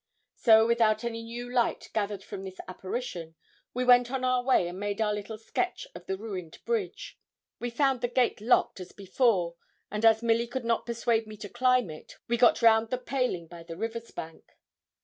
So, without any new light gathered from this apparition, we went on our way, and made our little sketch of the ruined bridge. We found the gate locked as before; and, as Milly could not persuade me to climb it, we got round the paling by the river's bank.